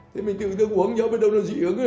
thế mình tự thức uống nhớ với đồng đồng dị ứng